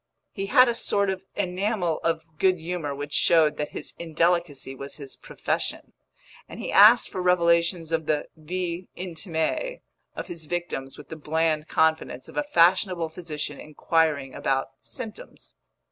He had a sort of enamel of good humour which showed that his indelicacy was his profession; and he asked for revelations of the vie intime of his victims with the bland confidence of a fashionable physician inquiring about symptoms.